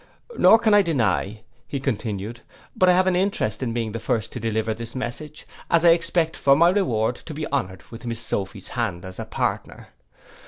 'Nor can I deny,' continued he, 'but I have an interest in being first to deliver this message, as I expect for my reward to be honoured with miss Sophy's hand as a partner.